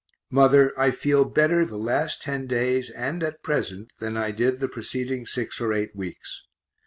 Mother, I feel better the last ten days, and at present, than I did the preceding six or eight weeks.